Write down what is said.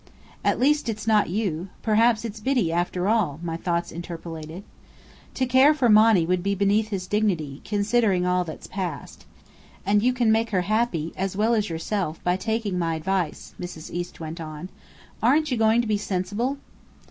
"At least it's not you. Perhaps it's Biddy after all!" my thoughts interpolated. "To care for Monny would be beneath his dignity, considering all that's passed. And you can make her happy, as well as yourself, by taking my advice," Mrs. East went on. "Aren't you going to be sensible?"